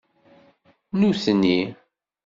Nutni